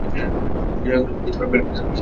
ঐ জিনিসগুলো বের করে দিতে বলো-না।